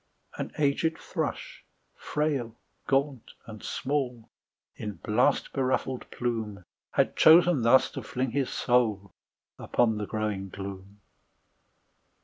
An aged thrush, frail, gaunt and small, With blast beruffled plume, Had chosen thus to fling his soul Upon the growing gloom.